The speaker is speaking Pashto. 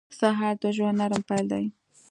سهار د ژوند نرم پیل دی.